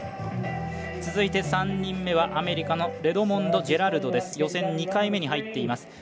続いて３人目はアメリカのレドモンド・ジェラルド。予選２回目に入っています。